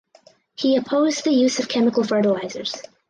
He opposed the use of chemical fertilizers.